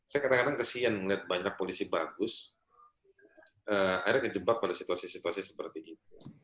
saya kadang kadang kesien melihat banyak polisi bagus akhirnya kejebak pada situasi situasi seperti itu